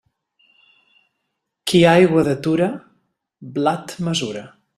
Qui aigua detura, blat mesura.